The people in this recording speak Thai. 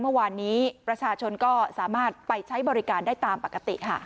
เมื่อวานนี้ประชาชนก็สามารถไปใช้บริการได้ตามปกติค่ะ